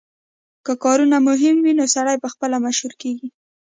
که کارونه مهم وي نو سړی پخپله مشهور کیږي